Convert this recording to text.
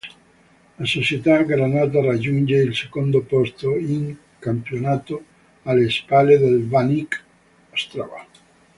La società granata raggiunge il secondo posto in campionato, alle spalle del Baník Ostrava.